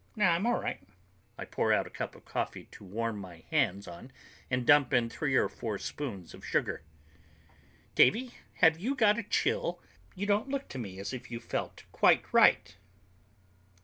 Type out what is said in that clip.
"Nah, I'm all right." I pour out a cup of coffee to warm my hands on and dump in three or four spoons of sugar. "Davey, have you got a chill? You don't look to me as if you felt quite right."